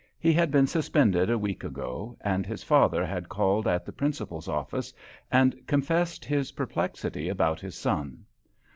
He had been suspended a week ago, and his father had called at the Principal's office and confessed his perplexity about his son.